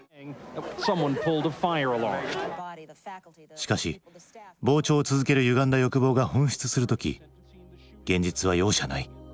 しかし膨張を続けるゆがんだ欲望が噴出する時現実は容赦ない。